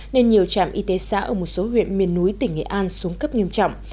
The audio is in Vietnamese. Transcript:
nên nhiều trạm y tế xã ở một số huyện miền núi tỉnh nghệ an xuống cấp nghiêm trọng